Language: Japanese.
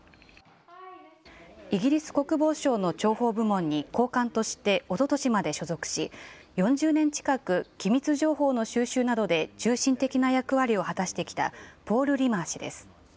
イギリス国防省の諜報部門に高官としておととしまで所属し４０年近く機密情報の収集などで中心的な役割を果たしてきたポール・リマー氏です。